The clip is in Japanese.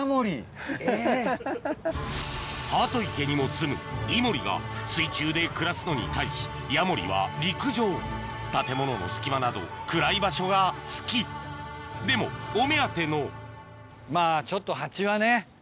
ハート池にもすむイモリが水中で暮らすのに対しヤモリは陸上建物の隙間など暗い場所が好きでもお目当てのまぁちょっと。